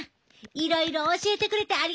いろいろ教えてくれてありがとうなあ。